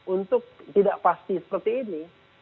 untuk tidak pasti seperti ini